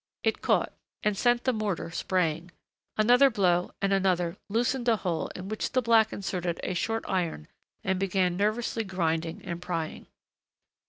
It caught, and sent the mortar spraying; another blow and another loosened a hole in which the black inserted a short iron and began nervously grinding and prying.